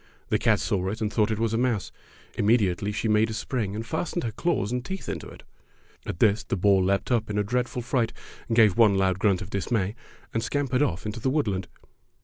The cat saw it and thought it was a mouse. Immedi ately she made a spring and fastened her claws and teeth into it. At this the boar leaped up in a dreadful fright, gave one loud grunt of dismay, and scampered oflf into the woodland.